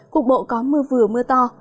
cục bộ có mưa vừa mưa to